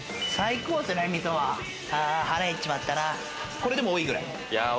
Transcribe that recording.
これでも多いぐらい？